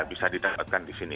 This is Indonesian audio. bisa didapatkan di sini